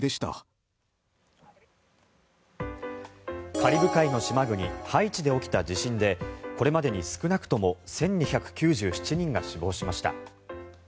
カリブ海の島国ハイチで起きた地震でこれまでに少なくとも１２９７人が死亡しました。